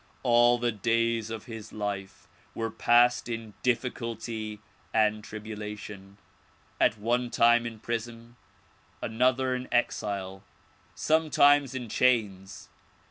All the days of his life were passed in difficulty and tribulation; at one time in prison, another in exile, sometimes in chains.